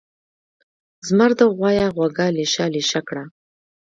زمر د غوایه غوږه لېشه لېشه کړه.